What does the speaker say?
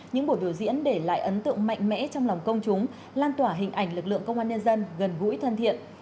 những buổi biểu diễn để lại ấn tượng mạnh mẽ trong lòng công chúng lan tỏa hình ảnh lực lượng công an nhân dân gần gũi thân thiện